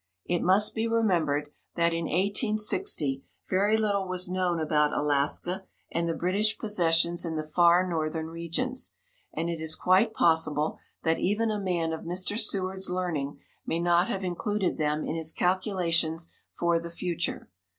It must be remembered that, in 1860, very little was known about Alaska and the British possessions in the far northern regions, and it is quite possible that even a man of Mr. Seward's learning may not have included them in his calculations for the future.